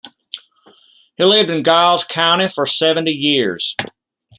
He lived in Giles County for seventy years.